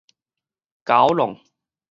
九龍